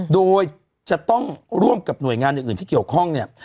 โดยจะต้องร่วมกับหน่วยงานอื่นที่เกี่ยวข้องเนี่ย